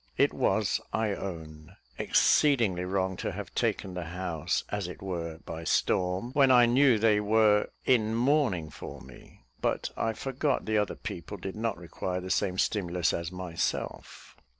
It was, I own, exceedingly wrong to have taken the house, as it were, by storm, when I knew they were in mourning for me; but I forgot that other people did not require the same stimulus as myself.